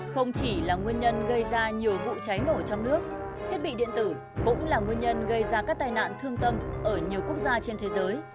không chỉ là nguyên nhân gây ra nhiều vụ cháy nổ trong nước thiết bị điện tử cũng là nguyên nhân gây ra các tai nạn thương tâm ở nhiều quốc gia trên thế giới